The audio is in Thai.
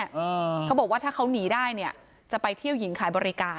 เขาบอกว่าถ้าเขาหนีได้เนี่ยจะไปเที่ยวหญิงขายบริการ